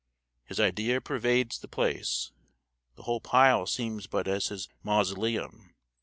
His idea pervades the place; the whole pile seems but as his mausoleum.